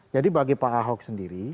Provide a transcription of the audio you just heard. jadi bagi pak ahok sendiri